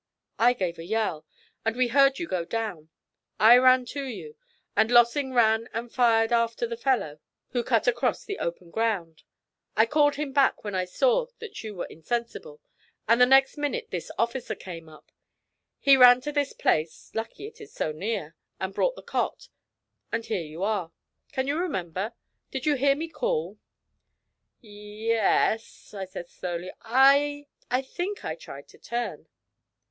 I gave a yell, and we heard you go down. I ran to you, and Lossing ran and fired after the fellow, who cut across the open ground. I called him back when I saw that you were insensible, and the next minute this officer came up. He ran to this place (lucky it is so near), and brought the cot, and here you are. Can you remember? Did you hear me call?' 'Y yes,' I said slowly, 'I I think I tried to turn.'